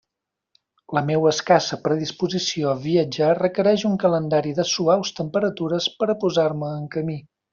La meua escassa predisposició a viatjar requereix un calendari de suaus temperatures per a posar-me en camí.